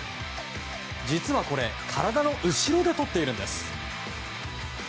実はこれ、体の後ろでとっているんです。